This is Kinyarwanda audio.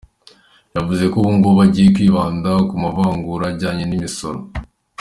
Yavuze ko ubungubu agiye kwibanda ku mavugurura ajyanye n'imisoro.